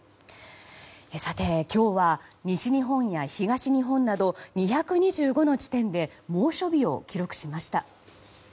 さて、今日は西日本や東日本など２２５の地点で猛暑日を記録しました。